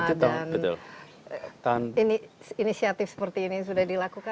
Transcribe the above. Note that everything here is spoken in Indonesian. dan inisiatif seperti ini sudah dilakukan